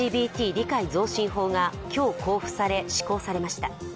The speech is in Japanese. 理解増進法が今日、交付され施行されました。